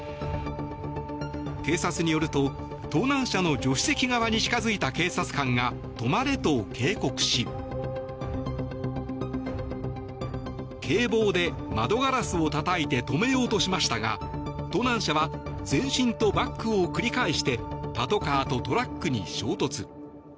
警察によると盗難車の助手席側に近づいた警察官が止まれと警告し警棒で窓ガラスをたたいて止めようとしましたが盗難車は前進とバックを繰り返してパトカーとトラックに衝突。